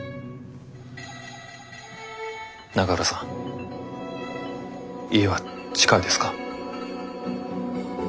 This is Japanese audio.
永浦さん家は近いですか？